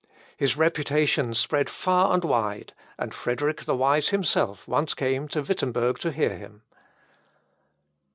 His reputation spread far and wide, and Frederick the Wise himself once came to Wittemberg to hear him.